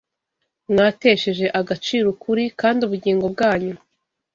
mwatesheje agaciro ukuri, kandi ubugingo bwanyu